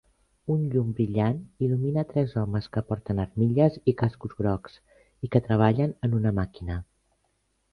Un llum brillant il·lumina tres homes que porten armilles i cascos grocs, i que treballen en una màquina.